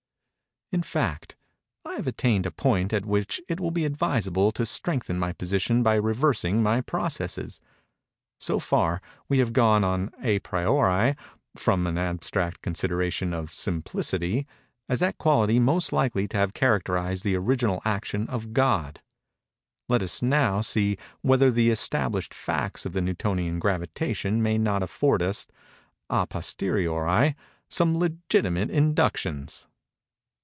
In fact, I have attained a point at which it will be advisable to strengthen my position by reversing my processes. So far, we have gone on à priori, from an abstract consideration of Simplicity, as that quality most likely to have characterized the original action of God. Let us now see whether the established facts of the Newtonian Gravitation may not afford us, à posteriori, some legitimate inductions.